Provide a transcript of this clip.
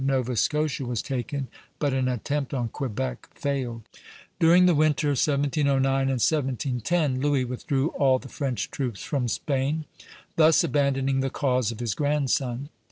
Nova Scotia was taken, but an attempt on Quebec failed. During the winter of 1709 and 1710 Louis withdrew all the French troops from Spain, thus abandoning the cause of his grandson.